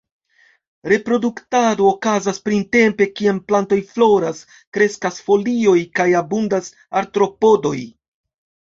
Reproduktado okazas printempe kiam plantoj floras, kreskas folioj kaj abundas artropodoj.